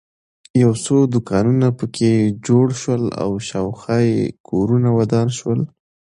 یو څو دوکانونه په کې جوړ شول او شاخوا یې کورونه ودان شول.